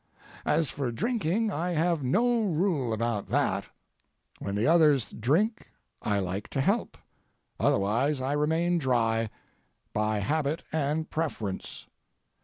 As for drinking, I have no rule about that. When the others drink I like to help; otherwise I remain dry, by habit and preference.